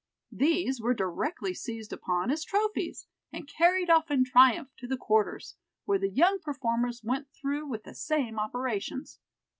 These were directly seized upon as trophies, and carried off in triumph to the quarters, where the young performers went through with the same operations.